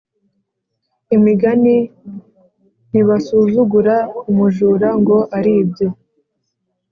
Img ntibasuzugura umujura ngo aribye